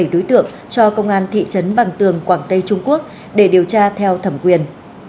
bảy đối tượng cho công an thị trấn bằng tường quảng tây trung quốc để điều tra theo thẩm quyền